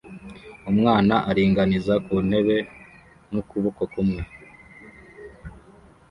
Umwana aringaniza ku ntebe n'ukuboko kumwe